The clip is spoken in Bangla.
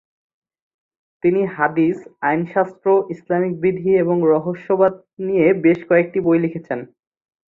তিনি হাদিস, আইনশাস্ত্র, ইসলামিক বিধি এবং রহস্যবাদ নিয়ে বেশ কয়েকটি বই লিখেছিলেন।